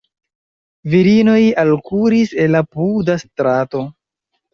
Virinoj alkuris el apuda strato.